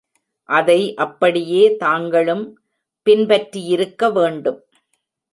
அதை அப்படியே தாங்களும் பின் பற்றியிருக்க வேண்டும்.